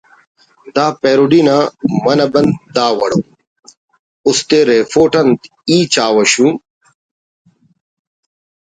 دا پیروڈی نا منہ بند دا وڑ ءُ: اُست ءِ ریفوٹ انت ای چاوہ شوم